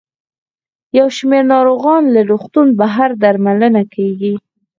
یو شمېر ناروغان له روغتون بهر درملنه کیږي.